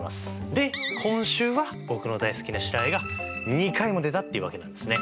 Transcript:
で今週は僕の大好きな白あえが２回も出たっていうわけなんですね。